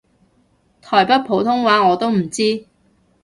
台北普通話我都唔知